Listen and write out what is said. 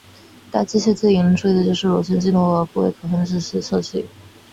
该机型最为引人注意的就是旋转镜头和部件可分式的设计。